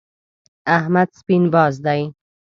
احمد سپين باز دی.